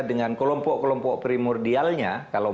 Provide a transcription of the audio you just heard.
dengan kelompok kelompok primordialnya